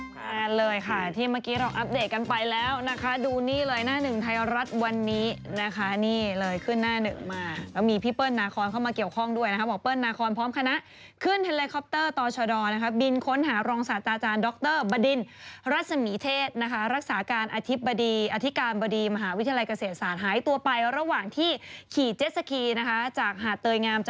มาเลยค่ะที่เมื่อกี้เราอัปเดตกันไปแล้วนะคะดูนี่เลยหน้าหนึ่งไทยรัฐวันนี้นะคะนี่เลยขึ้นหน้าหนึ่งมาแล้วมีพี่เปิ้ลนาคอลเข้ามาเกี่ยวข้องด้วยนะครับบอกเปิ้ลนาคอลพร้อมคณะขึ้นแฮลไลคอปเตอร์ตอชดนะครับบินค้นหารองศาสตราจารย์ดรบดินรัศมีเทศนะคะรักษาการอธิบดีอธิการบดีมหาวิทยาลัยเกษต